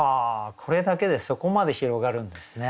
これだけでそこまで広がるんですね。